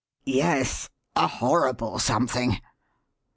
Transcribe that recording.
"Yes a horrible something.